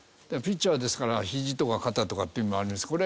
ピッチャーですからひじとか肩とかっていうのもあります。